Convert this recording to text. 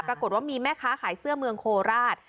ปรากฏว่ามีแม่ค้าขายเสื้อเมืองโคราช